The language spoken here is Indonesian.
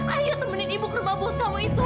ayo temenin ibu ke rumah bos kamu itu